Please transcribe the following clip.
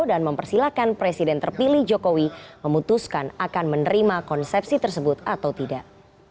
dan mempersilahkan presiden terpilih jokowi memutuskan akan menerima konsepsi tersebut atau tidak